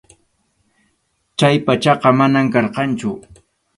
Chay pachaqa manam karqanchu.